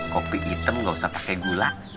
kopi hitam gausah pake gula